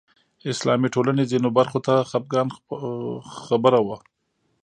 اسلامي ټولنې ځینو برخو ته خپګان خبره وه